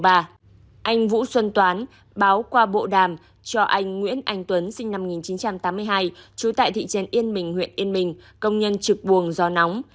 anh vũ xuân toán báo qua bộ đàm cho anh nguyễn anh tuấn sinh năm một nghìn chín trăm tám mươi hai trú tại thị trấn yên mình huyện yên minh công nhân trực buồng do nóng